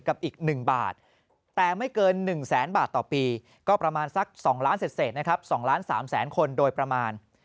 กับอีก๑บาทแต่ไม่เกิน๑แสนบาทต่อปีก็ประมาณสัก๒ล้านเศษนะครับ๒ล้าน๓แสนคนโดยประมาณ